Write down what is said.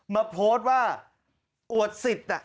มาโพสต์ว่าอวดสิทธิ์